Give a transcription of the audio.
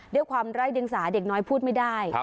ด้วยความไร้เดียงสาเด็กน้อยพูดไม่ได้